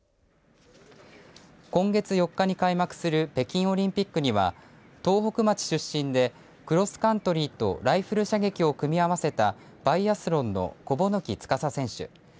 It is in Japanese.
今月４日に開幕する北京オリンピックには東北町出身でクロスカントリーとライフル射撃を組み合わせたバイアスロンの枋木司選手